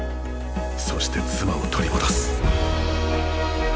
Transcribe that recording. そして妻を取り戻す。